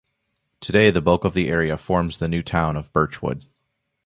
Today the bulk of the area forms the new town of Birchwood.